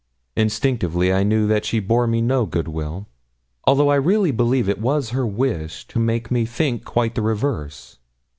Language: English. Instinctively I knew that she bore me no good will, although I really believe it was her wish to make me think quite the reverse.